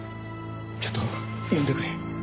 ちょっと読んでくれ。